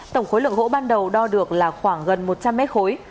tổng khối lượng gỗ ban đầu đo được là khoảng gần một trăm linh mét khối